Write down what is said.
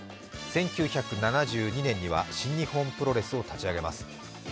１９７２年には新日本プロレスを立ち上げます。